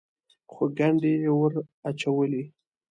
خو ګنډې یې ور اچولې.